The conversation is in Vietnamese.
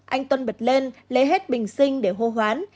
anh tuân bật lên lấy hết bình sinh để hô hoán